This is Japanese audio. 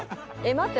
待って。